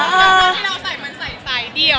แต่เราใส่มันใส่ใส่เดี่ยว